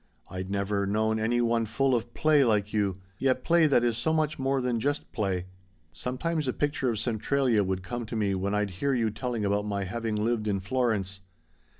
I'd never known any one full of play like you yet play that is so much more than just play. Sometimes a picture of Centralia would come to me when I'd hear you telling about my having lived in Florence.